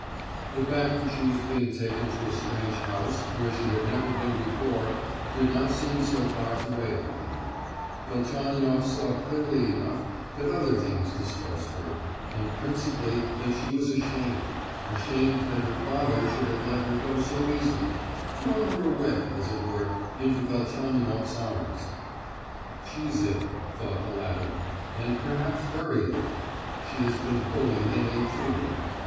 The fact that she was being taken to a strange house where she had never been before did not seem so far to weigh upon her; Velchaninoff saw clearly enough that other things distressed her, and principally that she was ashamed—ashamed that her father should have let her go so easily—thrown her away, as it were—into Velchaninoff's arms. "She's ill," thought the latter, "and perhaps very ill; she has been bullied and ill treated.